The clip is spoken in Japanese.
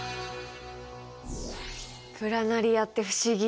プラナリアって不思議。